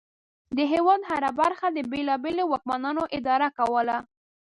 د هېواد هره برخه بېلابېلو واکمنانو اداره کوله.